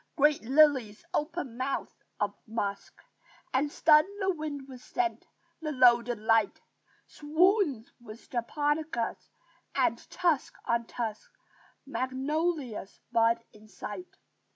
Great lilies open mouths of musk And stun the wind with scent; the loaded light Swoons with japonicas; and, tusk on tusk, Magnolias bud in sight.